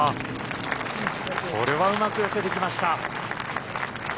これはうまく寄せてきました。